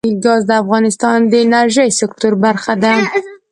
ګاز د افغانستان د انرژۍ سکتور برخه ده.